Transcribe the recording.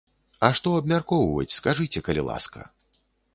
А што абмяркоўваць, скажыце, калі ласка?